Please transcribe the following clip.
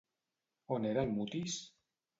On era el Mutis?